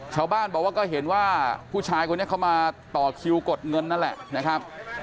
ชาวบ้านบอกว่าก็เห็นว่าผู้ชายคนนี้เขามาต่อคิวกดเงินนั่นแหละนะครับ